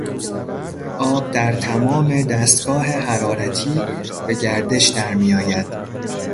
آب در تمام دستگاه حرارتی به گردش درمیآید.